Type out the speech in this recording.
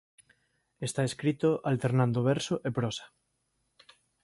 Está escrito alternando verso e prosa.